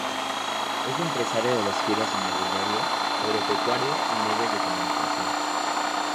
Es empresario de los giros inmobiliario, agropecuario y medios de comunicación.